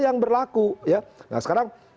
yang berlaku nah sekarang